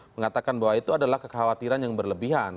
mengatakan bahwa itu adalah kekhawatiran yang berlebihan